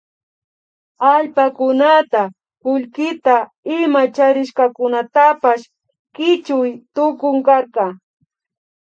Allpakunata kullkita ima charishkakunatapash kichuy tukunkarka